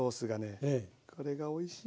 これがおいしいんです。